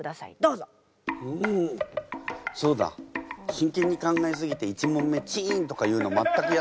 真剣に考えすぎて１問目チンとか言うの全くやってなかった。